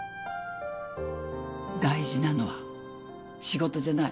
大事なのは仕事じゃない。